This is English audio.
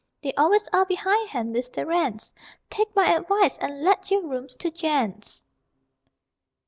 They always are behindhand with their rents Take my advice and let your rooms to gents!